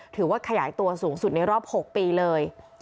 ถือว่าขยายตัวสูงสุดในรอบ๖ปีเลย